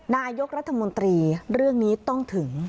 นายกรัฐมนตรีเรื่องนี้ต้องถึง